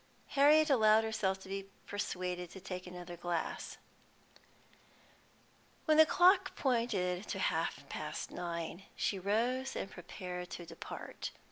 Harriet allowed herself to be persuaded to take another glass. When the clock pointed to half past nine, she rose and prepared to depart.